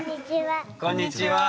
こんにちは。